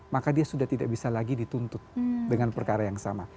maka dia sudah tidak bisa lagi dituntut dengan perkara yang sama